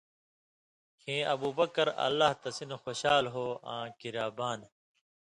کھیں ابوبکر (اللہ تسیۡ نہ خوشال ہو) اں کِریا بانیۡ